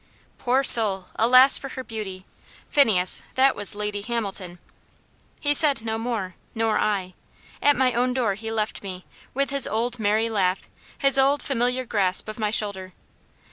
"Poor soul! alas for her beauty! Phineas, that was Lady Hamilton." He said no more, nor I. At my own door he left me, with his old merry laugh, his old familiar grasp of my shoulder.